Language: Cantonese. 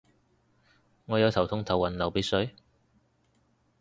我有頭痛頭暈流鼻水